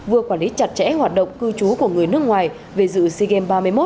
vừa quản lý chặt chẽ hoạt động cư trú của người nước ngoài về dự sigem ba mươi một